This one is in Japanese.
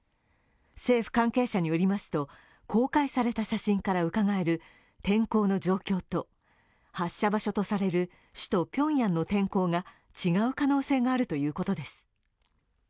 政府関係者によりますと、公開された写真からうかがえる天候の状況と、発射場所とされる首都ピョンヤンの天候が違う可能性があるということです。